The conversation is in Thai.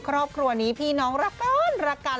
ครอบครัวนี้พี่น้องรักกันรักกัน